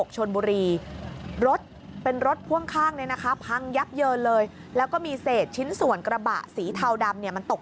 ชนบุรีรถเป็นรถพ่วงข้างเนี่ยนะคะพังยับเยินเลยแล้วก็มีเศษชิ้นส่วนกระบะสีเทาดำเนี่ยมันตก